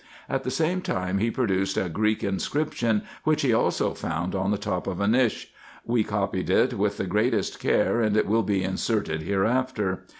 At the same time he produced a Greek inscription, which we also found on the top of a niche : we copied it with the greatest care, and it will be inserted hereafter.